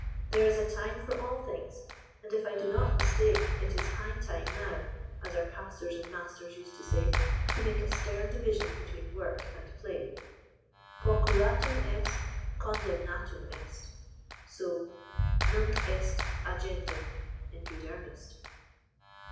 "There is a time for all things—and if I do not mistake, it is high time now, as our pastors and masters used to say, to make a stern division between work and play—'poculatum est, condemnatum est,' so 'nunc est agendum' in good earnest."